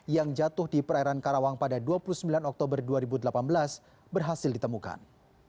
yang jatuh di perairan karawang pada dua puluh sembilan oktober dua ribu delapan belas berhasil ditemukan